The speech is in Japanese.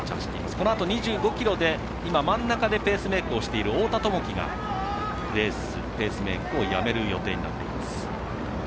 このあと２５ｋｍで真ん中でペースメイクをしている太田智樹がペースメイクをやめる予定になっています。